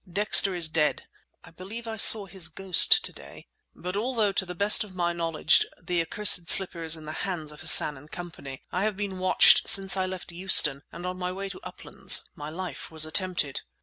Dexter is dead (I believe I saw his ghost to day). But although, to the best of my knowledge, the accursed slipper is in the hands of Hassan and Company, I have been watched since I left Euston, and on my way to 'Uplands' my life was attempted!"